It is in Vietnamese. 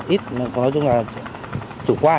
ít nói chung là